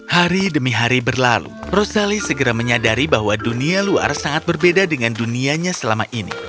hari demi hari berlalu rosali segera menyadari bahwa dunia luar sangat berbeda dengan dunianya selama ini